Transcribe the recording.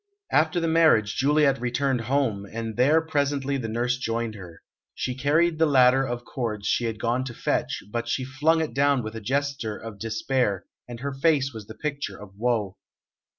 After the marriage Juliet returned home, and there presently the nurse joined her. She carried the ladder of cords she had gone to fetch, but she flung it down with a gesture of despair, and her face was the picture of woe.